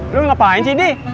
lu ngapain sih di